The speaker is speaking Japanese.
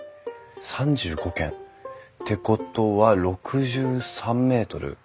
３５間。ってことは６３ｍ！